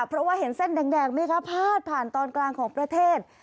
เพราะว่าเห็นเส้นแดงไหมคะพาดผ่านตอนกลางของประเทศ